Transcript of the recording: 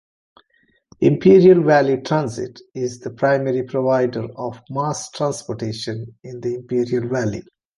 Imperial Valley Transit is the primary provider of mass transportation in the Imperial Valley.